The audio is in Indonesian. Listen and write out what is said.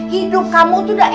hidup kamu tuh udah enak hah